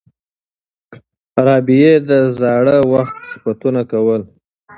رابعې د زاړه وخت صفتونه کول.